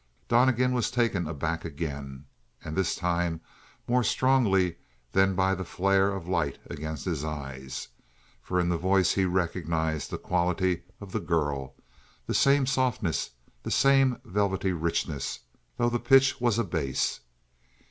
Donnegan was taken aback again, and this time more strongly than by the flare of light against his eyes. For in the voice he recognized the quality of the girl the same softness, the same velvety richness, though the pitch was a bass.